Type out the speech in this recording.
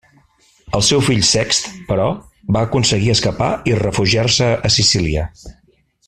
El seu fill Sext, però, va aconseguir escapar i refugiar-se a Sicília.